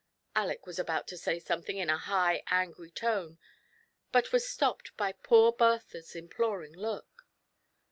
Aleck was about to say something in a high, angry tone, but was stopped by poor Bertha's imploring look.